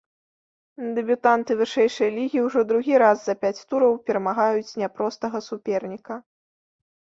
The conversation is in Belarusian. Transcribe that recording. Дэбютанты вышэйшай лігі ўжо другі раз за пяць тураў перамагаюць няпростага суперніка.